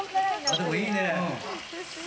でも、いいね。